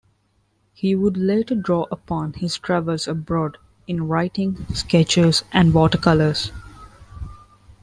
He would later draw upon his travels abroad in writings, sketches, and watercolors.